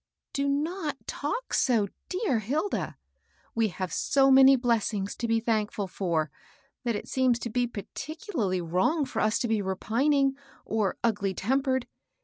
" Do not talk so, dear Hilda. We have so many blessings to be thank&l for, that it seems to be particularly wrong for us to be repining, or ugly tempered.